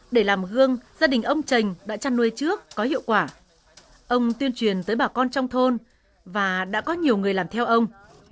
để làm gương gia đình ông trần đã chăn nuôi trước có hiệu quả ông tuyên truyền tới bà con trong thôn và đã có nhiều người làm theo ông